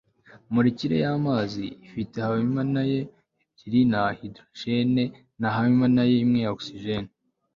molekile y'amazi ifite ahabimanae ebyiri za hydrogène na ahabimanae imwe ya ogisijeni